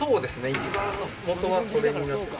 一番元はそれになっています。